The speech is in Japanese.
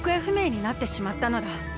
ふめいになってしまったのだ。